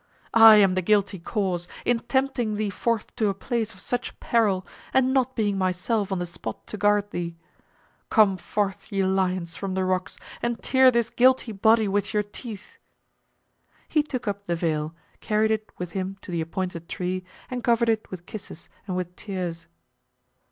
I am the guilty cause, in tempting thee forth to a place of such peril, and not being myself on the spot to guard thee. Come forth, ye lions, from the rocks, and tear this guilty body with your teeth." He took up the veil, carried it with him to the appointed tree, and covered it with kisses and with tears.